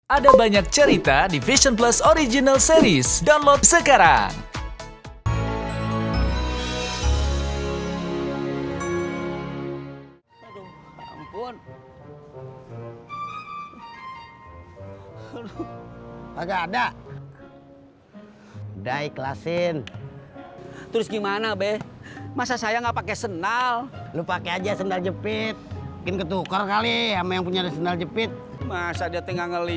ada banyak cerita di vision plus original series download sekarang